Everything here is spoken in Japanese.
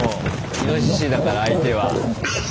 イノシシだから相手は。